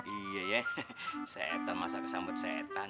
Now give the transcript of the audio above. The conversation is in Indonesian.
iya iya setan masa kesambet setan